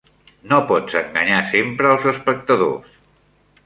No pots enganyar sempre als espectadors.